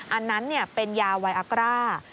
อันนั้นเป็นยาวัยอักราคม